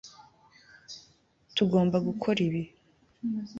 Tugomba gukora ibi